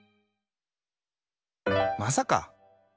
まさか！